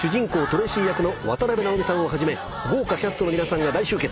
トレイシー役の渡辺直美さんをはじめ豪華キャストの皆さんが大集結。